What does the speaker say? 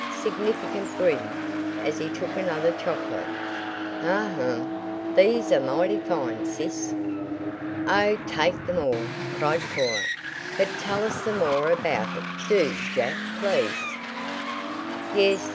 significant grin as he took another chocolate. "Um um these are mighty fine, sis!" "Oh, take them all!" cried Cora. "But tell us some more about it; do, Jack, please!" "Yes.